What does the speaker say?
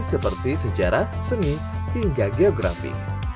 seperti sejarah seni hingga geografi